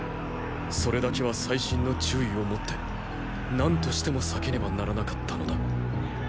それだけは細心の注意をもって何としても避けねばならなかったのだ。